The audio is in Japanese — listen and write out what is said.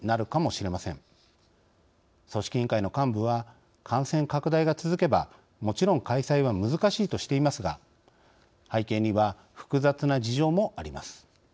組織委員会の幹部は感染拡大が続けばもちろん開催は難しいとしていますが背景には複雑な事情もあります。